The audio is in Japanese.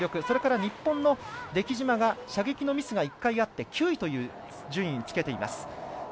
それから日本の出来島が射撃のミスが１回あって９位という順位につけています。